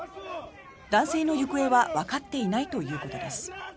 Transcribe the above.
男性の行方はわかっていないということです。